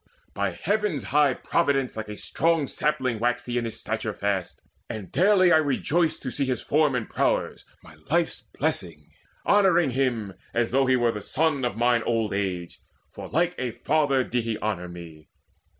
By Heaven's high providence Like a strong sapling waxed he in stature fast, And daily I rejoiced to see his form And prowess, my life's blessing, honouring him As though he were the son of mine old age; For like a father did he honour me.